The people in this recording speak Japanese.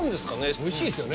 おいしいですよね